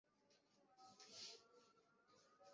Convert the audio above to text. আমি ববের কাছে কয়েনটা দিতে এলাম।